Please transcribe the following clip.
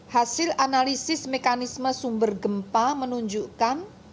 hasil analisis mekanisme sumber gempa menunjukkan